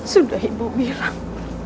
sudah ibu bilang